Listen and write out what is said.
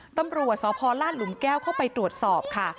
ตำรวจสพลาดหลุมแก้วเข้าไปตรวจสอบค่ะ